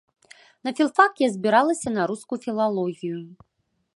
На філфак я збіралася на рускую філалогію.